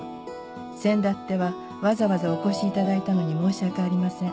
先だってはわざわざお越しいただいたのに申し訳ありません。